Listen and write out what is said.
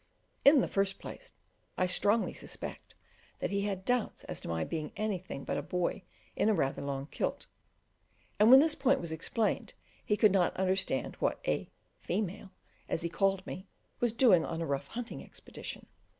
In the first place, I strongly suspect that he had doubts as to my being anything but a boy in a rather long kilt; and when this point was explained, he could not understand what a "female," as he also called me, was doing on a rough hunting expedition.